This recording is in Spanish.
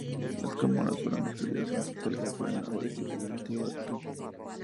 Las comunas fueron absorbidas en su totalidad por el nuevo distrito administrativo de Thun.